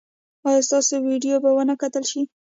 ایا ستاسو ویډیو به و نه کتل شي؟